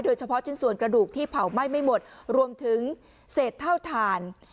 เฉพาะชิ้นส่วนกระดูกที่เผาไหม้ไม่หมดรวมถึงเศษเท่าฐาน